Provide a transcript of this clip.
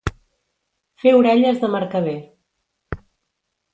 Fer orelles de mercader.